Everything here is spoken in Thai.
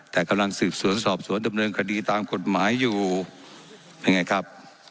แต่กำลังสืบสวนสอบสวนดำเนินคดีตามกฎหมายอยู่เป็นไงครับ